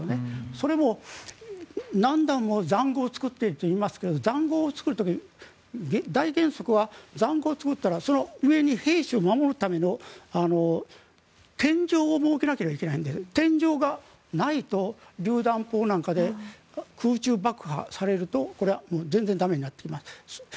それも何段も塹壕を作っているといいますが塹壕を作る時に、大原則は塹壕を作るというのはその上に兵士を守るための天井を設けなければいけないので天井がないとりゅう弾砲なんかで空中爆破されるとこれは全然駄目になってきます。